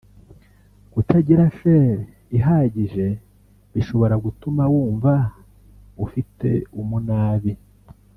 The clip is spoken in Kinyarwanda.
Kutagira Fer ihagije bishobora gutuma wumva ufite umunabi